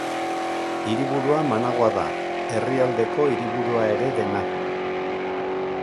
Hiriburua Managua da, herrialdeko hiriburua ere dena.